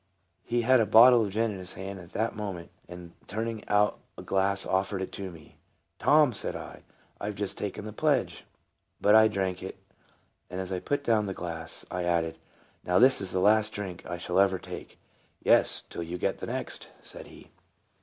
He had a bottle of gin in his hand at that moment, and turning out a glass offered it to me. " Tom," said I, " I have just taken the pledge." But I drank it ; and as I put down the glass, I added, " Now this is the last drink I shall ever take." "Yes, till you get the next," said he.